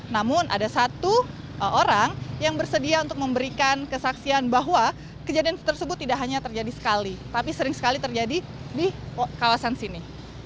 namun ada satu orang yang bersedia untuk memberikan kesaksian bahwa kejadian tersebut tidak hanya terjadi sekali tapi sering sekali terjadi di kawasan sini